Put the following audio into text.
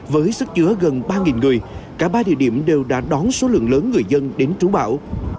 với sức chứa gần ba người cả ba địa điểm đều đã đón số lượng lớn người dân đến trú bão